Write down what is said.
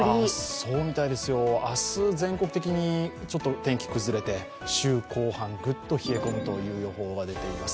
そうみたいですよ、明日、全国的に天気が崩れて、週後半、ぐっと冷え込むという予報が出ています。